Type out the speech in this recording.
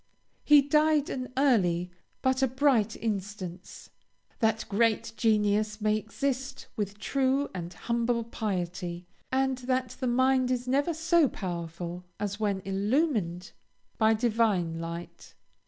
He died an early but a bright instance that great genius may exist with true and humble piety, and that the mind is never so powerful as when illumined by divine light.